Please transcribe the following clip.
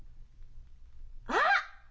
あっ！